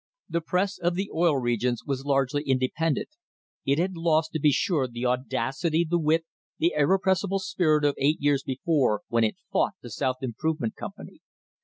The press of the Oil Regions was largely independent. It had lost, to be sure, the audacity, the wit, the irrepressible spirit of eight years before when it fought the South Improvement Company.